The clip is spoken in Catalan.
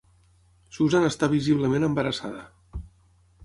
Susan està visiblement embarassada.